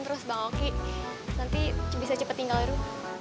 terus bang oki nanti bisa cepat tinggal dulu